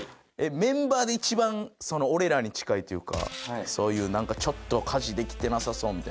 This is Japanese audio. メンバーで一番俺らに近いというかそういうちょっと家事できてなさそうみたいないる？